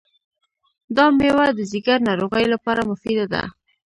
دا مېوه د ځیګر ناروغیو لپاره مفیده ده.